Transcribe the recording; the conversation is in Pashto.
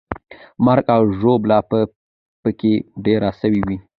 مرګ او ژوبله به پکې ډېره سوې وي.